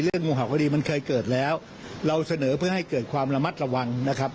งูเห่าก็ดีมันเคยเกิดแล้วเราเสนอเพื่อให้เกิดความระมัดระวังนะครับ